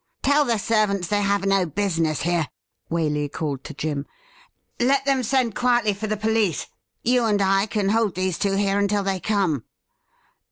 ' Tell the servants they have no business here,' Waley called to Jim. 'Let them send quietly for the police. You and I can hold these two here until they come.'